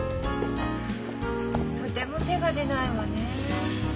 とても手が出ないわねえ。